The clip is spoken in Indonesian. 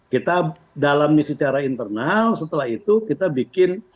kita dalam misi secara internal setelah itu kita bikin